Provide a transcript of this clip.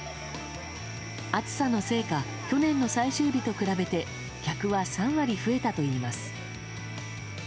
暑さのせいか去年の最終日と比べて客は３割増えたといいます。